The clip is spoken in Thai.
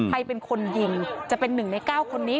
ใครเป็นคนยิงจะเป็นหนึ่งในเก้าคนนี้